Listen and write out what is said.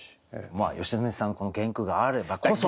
まあ良純さんのこの原句があればこその。